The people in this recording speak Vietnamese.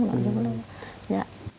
nói chung là